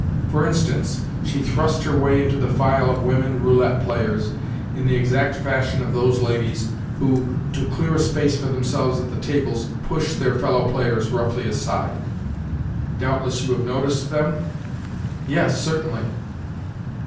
For instance, she thrust her way into the file of women roulette players in the exact fashion of those ladies who, to clear a space for themselves at the tables, push their fellow players roughly aside. Doubtless you have noticed them?" "Yes, certainly."